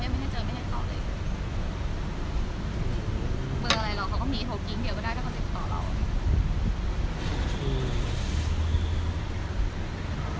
เดี๋ยวมาหาที่บ้านพี่ไม่ได้เจอไม่เห็นเขาเลย